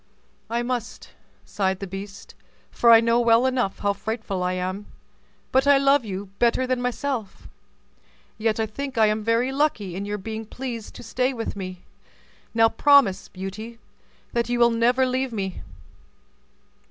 "I must," sighed the beast, "for I know well enough how frightful I am; but I love you better than myself. Yet I think I am very lucky in your being pleased to stay with me; now promise, Beauty, that you will never leave me.